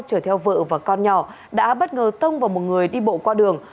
chở theo vợ và con nhỏ đã bất ngờ tông vào một người đi bộ qua đường